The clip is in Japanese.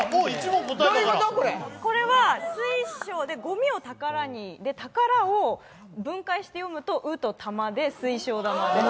これは水晶で、ごみを宝に、「宝」を分解して読むとウと玉で水晶玉です。